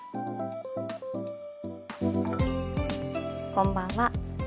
こんばんは。